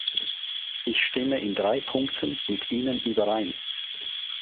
Ich stimme in drei Punkten mit Ihnen überein.